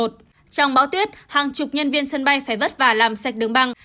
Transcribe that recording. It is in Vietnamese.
trong bão tuyết hàng chục nhân viên sân bay phải vất vả làm sạch đường băng